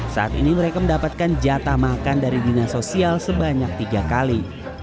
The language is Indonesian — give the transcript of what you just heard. saat ini mereka mendapatkan jatah makan dari dinas sosial sebanyak tiga kali